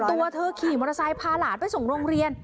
ตัวเธอขี่มอเตอร์ไซค์พาหลานไปส่งโรงเรียน